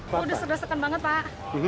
sudah sederhakan banget pak